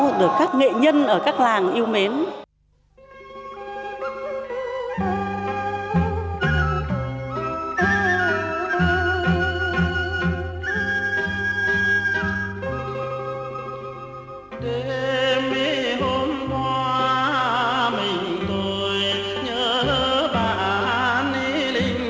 rồi được các nghệ nhân ở các làng yêu mến